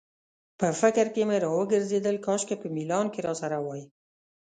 په فکر کې مې راوګرځېدل، کاشکې په میلان کې راسره وای.